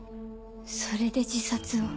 それで自殺を。